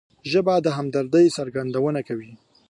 ژبه د همدردۍ څرګندونه کوي